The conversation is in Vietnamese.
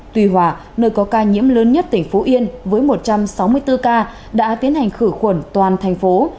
tuy hòa nơi có ca nhiễm lớn nhất tỉnh phú yên với một trăm sáu mươi bốn ca đã tiến hành khử khuẩn toàn thành phố